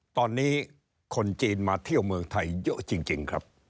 ตอนนี้คนจีนมาเที่ยวเมืองไทยเยอะจริงครับ